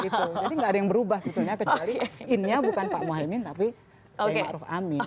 jadi nggak ada yang berubah sebetulnya kecuali innya bukan pak mohaimin tapi ma'ruf amin